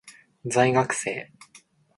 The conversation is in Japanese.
在学生